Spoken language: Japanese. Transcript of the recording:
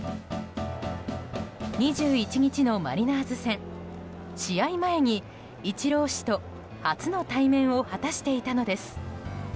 ２１日のマリナーズ戦試合前にイチロー氏と初の対面を果たしていたのです。